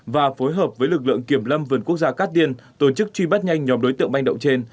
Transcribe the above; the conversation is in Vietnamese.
và phối hợp với lực lượng kiểm lâm vườn quốc gia cát tiên tổ chức truy bắt nhanh nhóm đối tượng manh động trên